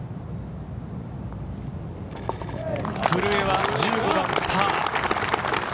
古江は１５番、パー。